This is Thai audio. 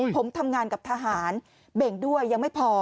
ผมทำงานกับทหารเบ่งด้วยยังไม่พอ